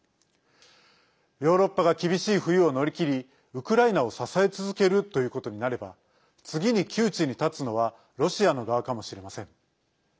ヨーロッパが厳しい冬を乗り切りウクライナを支え続けるということになれば次に窮地に立つのはロシアの側かもしれません。